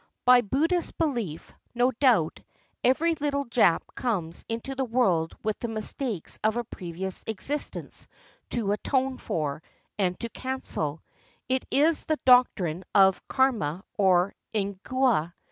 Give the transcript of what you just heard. By Buddhist belief, no doubt, every little Jap comes into the world with the mistakes of a previous existence to atone for and to cancel — it is the doctrine of Karma or Ingwa.